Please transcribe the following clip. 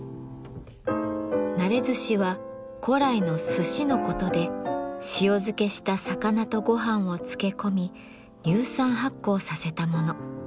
熟ずしは古来のすしのことで塩漬けした魚とごはんを漬け込み乳酸発酵させたもの。